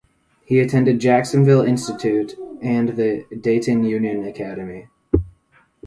He attended the Jacksonville Institute and the Dayton Union Academy.